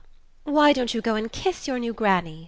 Why don't you go and kiss your new granny?"